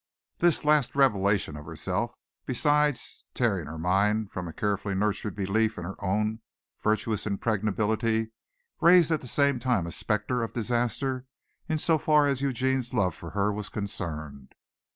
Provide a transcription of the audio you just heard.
This latest revelation of herself, besides tearing her mind from a carefully nurtured belief in her own virtuous impregnability, raised at the same time a spectre of disaster in so far as Eugene's love for her was concerned.